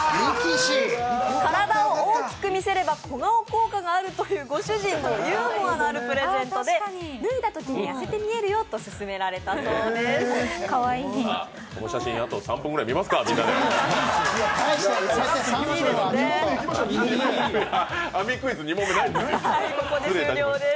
体を大きく見せれば小顔効果があるというご主人のユーモアのあるプレゼントで、脱いだときに痩せて見えるよと、勧められたそうです。